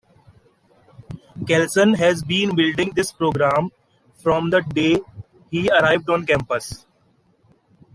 Kelson has been building this program from the day he arrived on campus.